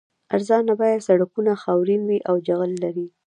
ارزان بیه سړکونه خاورین وي او جغل لري